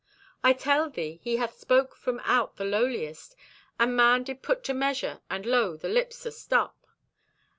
"I tell thee, He hath spoke from out the lowliest, and man did put to measure, and lo, the lips astop!